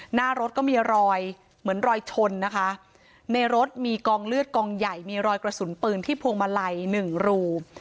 หน้ารถก็มีรอยเหมือนรอยชนนะคะในรถมีกองเลือดกองใหญ่มีรอยกระสุนปืนที่พวงมาลัยหนึ่งรู